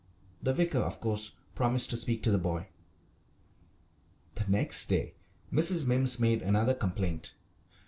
The vicar, of course, promised to speak to the boy. The next day Mrs. Mimms made another complaint.